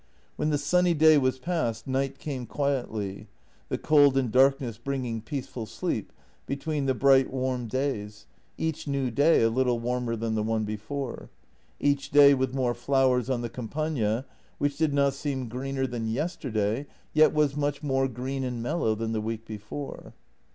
When the sunny day was past, night came quietly, the cold and darkness bringing peace JENNY m ful sleep between the bright, warm days — each new day a little warmer than the one before, each day with more flowers on the Campagna, which did not seem greener than yesterday, yet was much more green and mellow than the week before.